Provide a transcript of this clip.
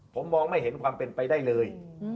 ผมมองไม่เห็นความเป็นไปได้เลย